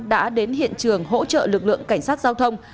đã đến hiện trường hỗ trợ lực lượng cảnh sát giao thông